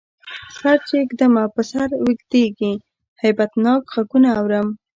سر چی ږدمه په سر ویږدی، هیبتناک غږونه اورم